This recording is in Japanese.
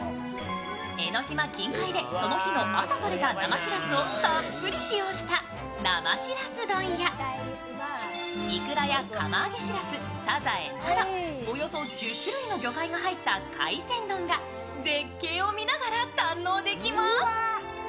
江の島近海でその日の朝とれた生しらすをたっぷり使用した生しらす丼や、いくらや釜揚げしらす、さざえなど、およそ１０種類の魚介が入った海鮮丼が絶景を見ながら堪能できます。